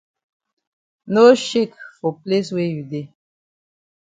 No shake for place wey you dey.